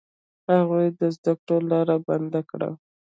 هغوی د زده کړو لاره بنده کړه.